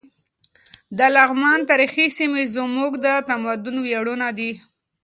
د لغمان تاریخي سیمې زموږ د تمدن ویاړونه دي.